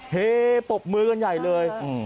เฮปบมือกันใหญ่เลย